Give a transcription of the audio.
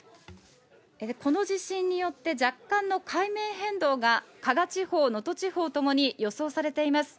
この地震によって、若干の海面変動が加賀地方、能登地方ともに予想されています。